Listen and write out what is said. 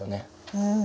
うん。